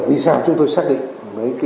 vì sao chúng tôi xác định